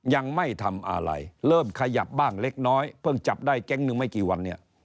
ยังไม่ทำอะไรเริ่มขยับบ้างเล็กน้อยเพิ่งจับได้แก๊งหนึ่งไม่กี่วันเนี่ย